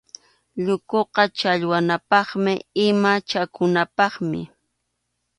Llukuqa challwanapaq ima chakunapaqmi.